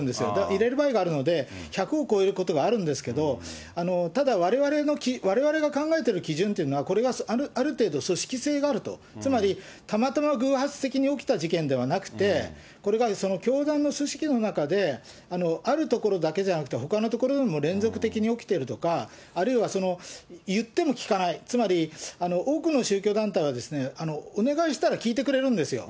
入れる場合があるので、１００を超えることがあるんですけれども、ただ、われわれが考えている基準というのは、これはある程度、組織性があると、つまり、たまたま偶発的に起きた事件ではなくて、これが教団の組織の中で、あるところだけじゃなくてほかのところにも連続的に起きてるとか、あるいはその言っても聞かない、つまり、多くの宗教団体はお願いしたら聞いてくれるんですよ。